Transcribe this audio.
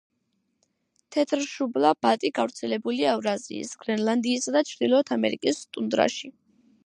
თეთრშუბლა ბატი გავრცელებულია ევრაზიის, გრენლანდიისა და ჩრდილოეთ ამერიკის ტუნდრაში.